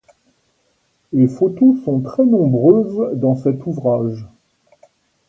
Les photos sont très nombreuses dans cet ouvrage.